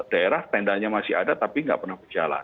daerah tendanya masih ada tapi nggak pernah berjalan